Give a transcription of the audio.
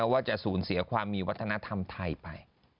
ว่าจะสูญเสียความมีวัฒนธรรมไทยไป